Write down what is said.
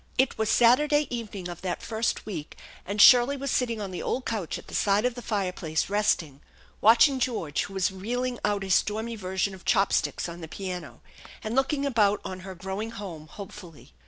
It was Saturday evening of that first week, and Shirley was sitting on the old couoh at the side of the fireplace, resting, watching George, who was reeling out a stormy version of chopsticks on the piano, and looking about on her growing home hopefully.